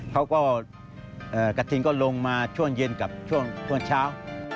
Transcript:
เขาก็กระทิงก็ลงมาช่วงเย็นกับช่วงเช้า